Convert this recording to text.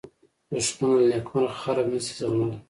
دښمن له نېکمرغه خلک نه شي زغملی